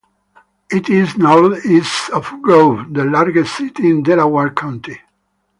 It is northeast of Grove, the largest city in Delaware County.